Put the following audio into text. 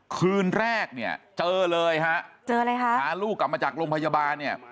คืนแรกเนี่ยเจอเลยฮะเจออะไรคะพาลูกกลับมาจากโรงพยาบาลเนี่ย